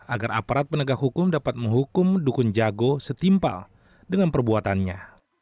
agar aparat penegak hukum dapat menghukum dukun jago setimpal dengan perbuatannya